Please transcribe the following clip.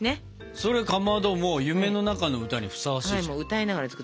それかまど「夢の中の歌」にふさわしいじゃん。